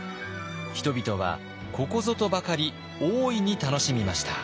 人々はここぞとばかり大いに楽しみました。